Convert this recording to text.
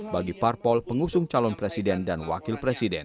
bagi parpol pengusung calon presiden dan wakil presiden